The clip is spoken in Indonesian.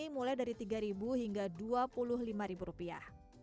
mulai dari tiga hingga dua puluh lima rupiah